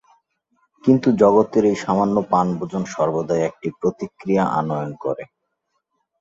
কিন্তু জগতের এই সামান্য পান-ভোজন সর্বদাই একটি প্রতিক্রিয়া আনয়ন করে।